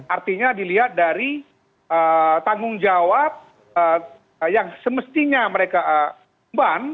artinya dilihat dari tanggung jawab yang semestinya mereka ban